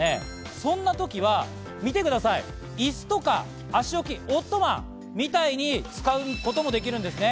そんな時は見てください、椅子とか足置きみたいに使うこともできるんですね。